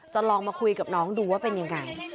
ลองมาคุยกับน้องดูว่าเป็นยังไง